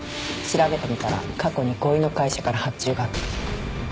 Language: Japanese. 調べてみたら過去に伍井の会社から発注があった。